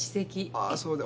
ああそうで。